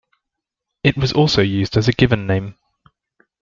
It was also used as a given name.